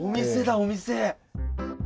お店！